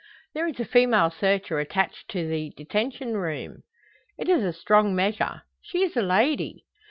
There is a female searcher attached to the detention room." "It is a strong measure. She is a lady."